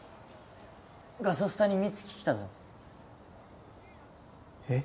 ガソスタに美月来たぞえっ？